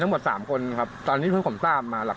คุณภิกษ์นะต้องมาได้ไหม